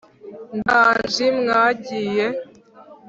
Nganji mwagiye